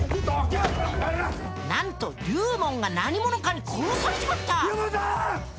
なんと龍門が何者かに殺されちまった！